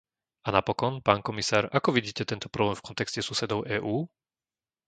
A napokon, pán komisár, ako vidíte tento problém v kontexte susedov EÚ?